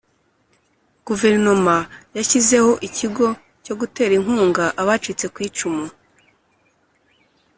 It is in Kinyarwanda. Guverinoma yashyizeho ikigo cyo gutera inkunga abacitse ku icumu